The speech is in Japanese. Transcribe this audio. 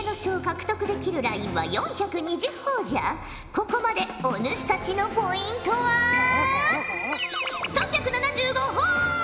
ここまでお主たちのポイントは３７５ほぉ！